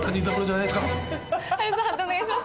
判定お願いします。